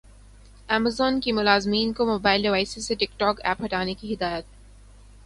Amazon کی ملازمین کو موبائل ڈیوائسز سے ٹک ٹاک ایپ ہٹانے کی ہدایت